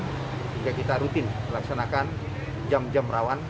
sehingga kita rutin melaksanakan jam jam rawan